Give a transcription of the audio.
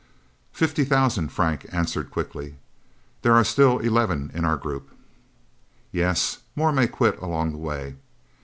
"Fifty thousand," Frank answered quickly. "There are still eleven in our group." "Yes... More may quit along the way...